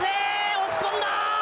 押し込んだ！